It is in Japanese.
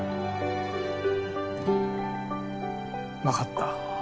わかった。